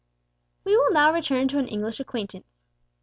We will now return to an English acquaintance.